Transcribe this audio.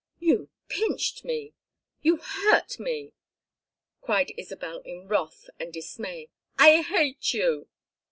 "You pinched me! You hurt me!" cried, Isabel in wrath and dismay. "I hate you!"